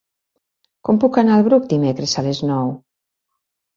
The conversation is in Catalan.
Com puc anar al Bruc dimecres a les nou?